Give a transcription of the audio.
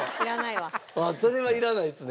それはいらないですね。